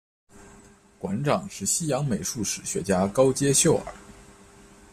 馆长是西洋美术史学家高阶秀尔。